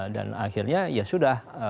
dan akhirnya ya sudah